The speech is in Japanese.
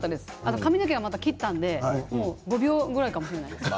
髪の毛を切ったので５秒ぐらいかもしれないです。